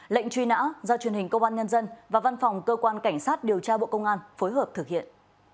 lệnh truy nã do truyền hình công an nhân dân và văn phòng cơ quan cảnh sát điều tra bộ công an phối hợp thực hiện